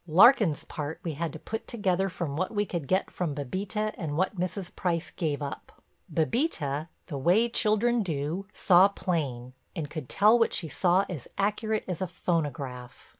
Larkin's part we had to put together from what we could get from Bébita and what Mrs. Price gave up. Bébita, the way children do, saw plain and could tell what she saw as accurate as a phonograph.